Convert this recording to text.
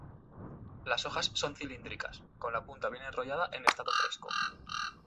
Las hojas son cilíndricas, con la punta bien enrollada en estado fresco.